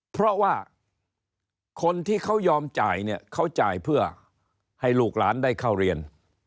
เพราะว่าคนที่เขายอมจ่ายเนี่ยเขาจ่ายเพื่อให้ลูกหลานได้เข้าเรียน